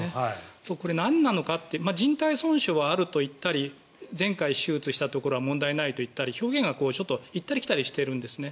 これ、なんなのかってじん帯損傷はあると言ったり前回手術したところは問題ないと言ったり表現が行ったり来たりしてるんですね。